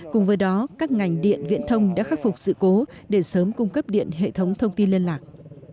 cùng với đó các ngành điện viễn thông đã khắc phục sự cố để sớm cung cấp điện hệ thống thông tin liên lạc